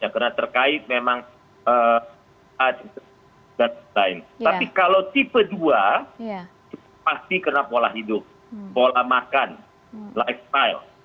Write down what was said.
karena terkait memang tapi kalau tipe dua pasti karena pola hidup pola makan lifestyle